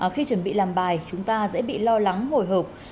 khi chuẩn bị làm bài chúng ta dễ bị lo lắng hồi hộp